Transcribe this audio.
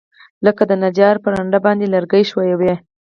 لکه نجار چې په رنده باندى لرګى ښويوي.